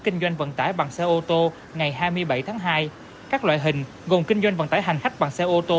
kinh doanh vận tải bằng xe ô tô ngày hai mươi bảy tháng hai các loại hình gồm kinh doanh vận tải hành khách bằng xe ô tô